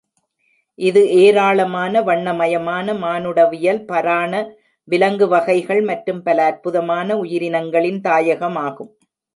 இது ஏராளமான வண்ணமயமான, மானுடவியல் பராண விலங்கு வகைகள் மற்றும் பல அற்புதமான உயிரினங்களின் தாயகமாகும்.